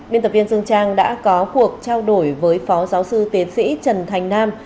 biên tập viên dương trang đã có cuộc trao đổi với phó giáo sư tiến sĩ trần thành nam